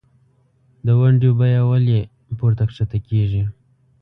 دونډیو بیه ولۍ پورته کښته کیږي؟